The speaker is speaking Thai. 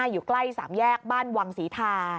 อยู่ใกล้สามแยกบ้านวังศรีทา